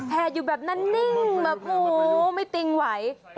แผลอยู่แบบนั้นนิ่งแบบโอ้โฮไม่ติ้งไหว